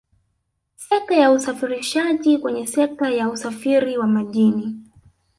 sekta ya usafirishaji kwenye sekta ya usafiri wa majini